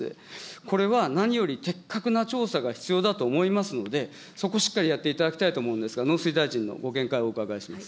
これは何より的確な調査が必要だと思いますので、そこしっかりやっていただきたいと思うんですが、農水大臣のご見解をお伺いしたいと思います。